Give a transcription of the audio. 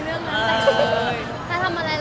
เผื่อที่ไม่ชอบ